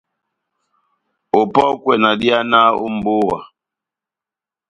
Opɔ́kwɛ na dihanaha ó mbówa.